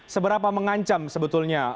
seberapa mengancam sebetulnya